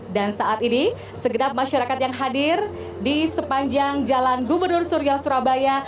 dan saat ini segera masyarakat yang hadir di sepanjang jalan gubernur surya surabaya